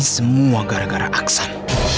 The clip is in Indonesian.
semua gara gara aksan